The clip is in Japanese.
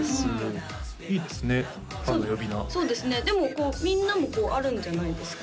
こうみんなもあるんじゃないですか？